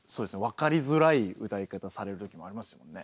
分かりづらい歌い方されるときもありますもんね。